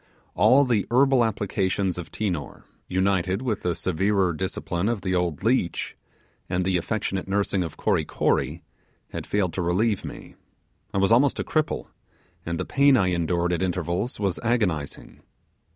All the herbal applications of Tinor, united with the severer discipline of the old leech, and the affectionate nursing of Kory Kory, had failed to relieve me. I was almost a cripple, and the pain I endured at intervals was agonizing.